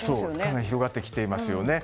かなり広がってきています。